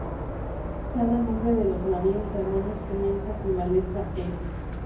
Cada nombres de los navíos hermanos comienza con la letra "E".